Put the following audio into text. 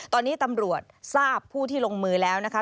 ตอนนี้ตำรวจทราบผู้ที่ลงมือแล้วนะคะ